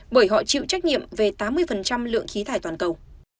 bởi họ chịu trách nhiệm về tám mươi lượng khí thải toàn cầu